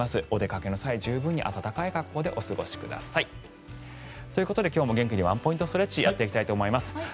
お出かけの際十分に暖かい格好でお過ごしください。ということで今日も元気にワンポイントストレッチをやっていきます。